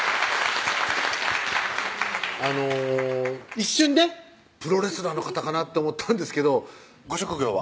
あの一瞬ねプロレスラーの方かなって思ったんですけどご職業は？